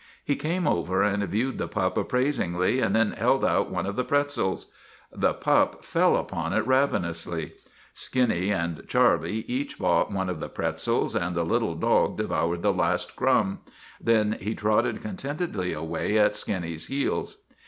He came over and viewed the pup appraisingly and then held out one of the pret zels. The pup fell upon it ravenously. Skinny and SPIDER OF THE NEWSIES 165 Charlie each bought one of the pretzels and the little dog devoured the last crumb. Then he trotted con tentedly away at Skinny's heels.